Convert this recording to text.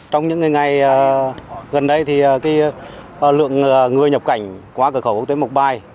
trong những ngày gần đây thì lượng người nhập cảnh quá cờ khẩu tới một bài